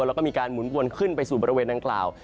แล้วก็มีการหมุนวนขึ้นไปสู่บริเวณดังกล่าว